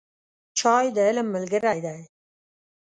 چای د علم ملګری دی